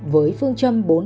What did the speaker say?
với phương châm bốn đặc biệt